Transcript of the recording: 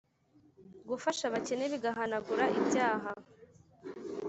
gufasha abakene bigahanagura ibyaha